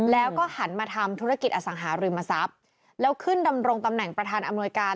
แล้วก็หันมาทำธุรกิจอสังหาริมทรัพย์แล้วขึ้นดำรงตำแหน่งประธานอำนวยการ